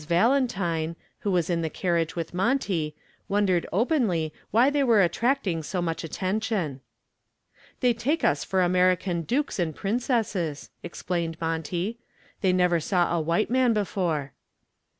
Valentine, who was in the carriage with Monty, wondered openly why they were attracting so much attention. "They take us for American dukes and princesses," explained Monty. "They never saw a white man before."